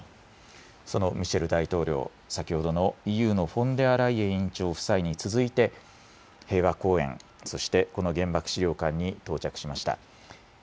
そのミシェル大統領、先ほどのＥＵのフォンデアライエン委員長夫妻に続いて、平和公園、そしてこの原爆資料館に到着しました。